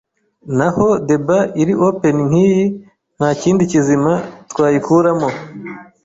Naho debat iri open nk'iyi nta kindi kizima twayikuramo